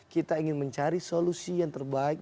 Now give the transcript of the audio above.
kita ingin mencari solusi yang terbaik